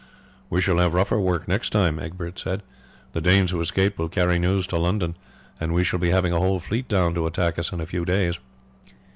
"We shall have rougher work next time," Egbert said. "The Danes who escaped will carry news to London, and we shall be having a whole fleet down to attack us in a few days."